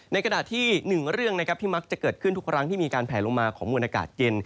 กระดาษที่๑เรื่องนะครับที่มักจะเกิดขึ้นทุกครั้งที่มีการแผลลงมาของมวลอากาศเย็น